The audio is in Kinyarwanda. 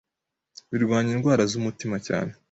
Birwanya indwara z’umutima cyane